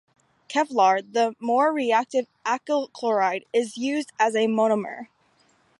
Kevlar, the more reactive acyl chloride is used as a monomer.